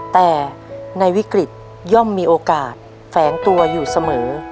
แต่ในวิกฤตย่อมมีโอกาสแฝงตัวอยู่เสมอ